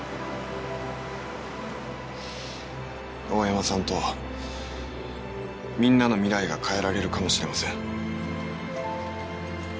大山さんとみんなの未来が変えられるかもしれません。